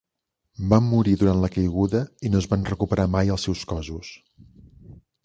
Van morir durant la caiguda i no es van recuperar mai els seus cossos.